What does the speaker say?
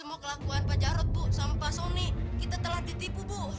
mau kelakuan pak jarod bu sama pak soni kita telah ditipu bu